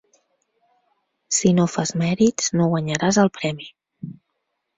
Si no fas mèrits no guanyaràs el premi.